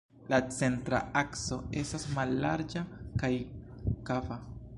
La centra akso estas mallarĝa kaj kava.